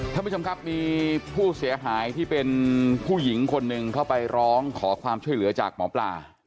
ท่านผู้ชมครับมีผู้เสียหายที่เป็นผู้หญิงคนหนึ่งเข้าไปร้องขอความช่วยเหลือจากหมอปลา